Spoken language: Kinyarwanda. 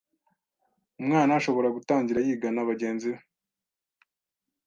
Umwana ashobora gutangira yigana bagenzi be